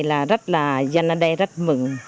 là rất là dân ở đây rất mừng